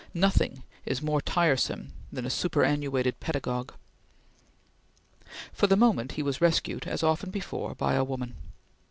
Nothing is more tiresome than a superannuated pedagogue. For the moment he was rescued, as often before, by a woman.